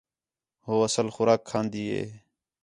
ہو اصل خوراک کھان٘دی ہِے